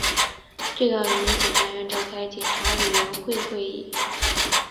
最高人民检察院召开检察委员会会议